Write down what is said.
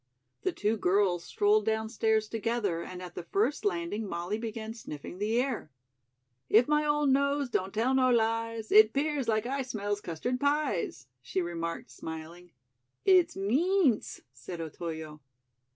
The two girls strolled downstairs together and at the first landing Molly began sniffing the air. "'If my ole nose don't tell no lies, It 'pears like I smells custard pies,'" she remarked smiling. "It's meence," said Otoyo.